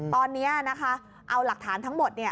ตอนนี้นะคะเอาหลักฐานทั้งหมด